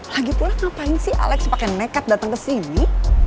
lagipula ngapain sih alex pake nekat dateng kesini